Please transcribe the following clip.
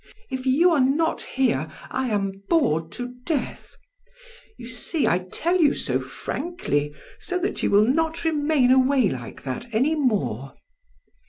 If you are not here, I am bored to death. You see I tell you so frankly, that you will not remain away like that any more.